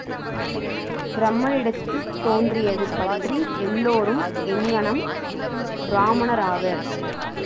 பிரமனிடத்துத் தோன்றியது பற்றி எல்லோரும் எங்ஙனம் பிராமணராவர்?